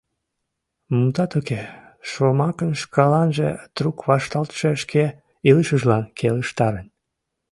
Мутат уке, шомакым шкаланже, трук вашталтше шке илышыжлан келыштарен.